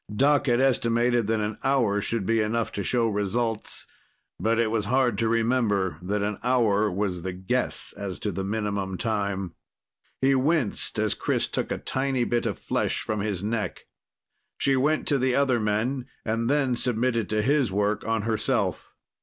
Doc had estimated that an hour should be enough to show results, but it was hard to remember that an hour was the guess as to the minimum time. He winced as Chris took a tiny bit of flesh from his neck. She went to the other men, and then submitted to his work on herself.